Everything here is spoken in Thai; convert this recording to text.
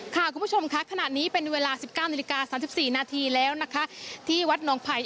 คุณผู้ชมค่ะขณะนี้เป็นเวลา๑๙นาฬิกา๓๔นาทีแล้วนะคะที่วัดหนองไผ่